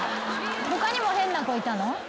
他にも変な子いたの？